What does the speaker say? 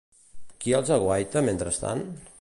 Qui els aguaita mentrestant?